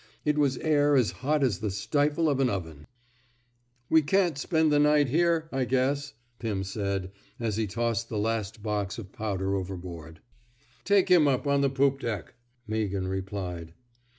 It was air as hot as the stifle of an oven. We can't spend the night here, I guess,'* Pim said, as he tossed the last box of powder overboard. 47 f THE SMOKE EATEES ^^ Take him up on the poop deck, '* Mea ghan replied.